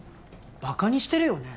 バカにしてるよね？